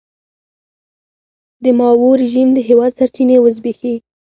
د ماوو رژیم د هېواد سرچینې وزبېښي.